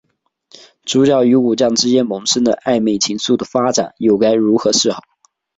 主角与武将之间萌生的暧昧情愫的发展又该如何是好？